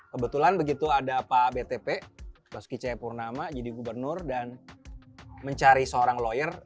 kebetulan begitu ada pak btp basuki cayapurnama jadi gubernur dan mencari seorang lawyer